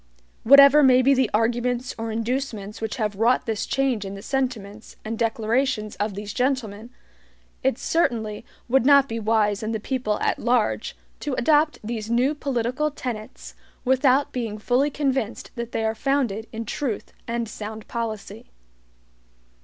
Whatever may be the arguments or inducements which have wrought this change in the sentiments and declarations of these gentlemen, it certainly would not be wise in the people at large to adopt these new political tenets without being fully convinced that they are founded in truth and sound policy.